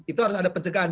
itu harus ada pencegahan